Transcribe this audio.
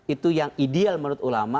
itu yang ideal menurut ulama